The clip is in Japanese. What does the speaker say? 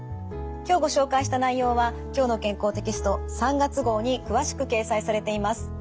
今日ご紹介した内容は「きょうの健康」テキスト３月号に詳しく掲載されています。